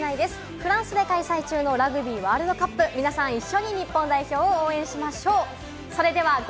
フランスで開催中のラグビーワールドカップ、皆さん一緒に日本代表を応援しましょう。